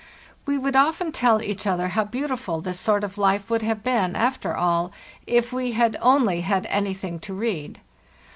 We would often tell each other how beautiful this sort of life would have been, after all, if we had only had anything to read.